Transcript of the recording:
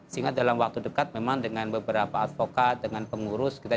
sehingga dalam waktu dekat memang dengan beberapa advokat kami kami bisa mencari penyelidikan